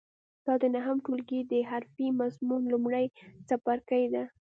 دا د نهم ټولګي د حرفې مضمون لومړی څپرکی دی.